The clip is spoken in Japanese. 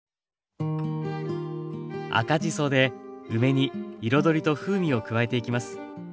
赤じそで梅に彩りと風味を加えていきます。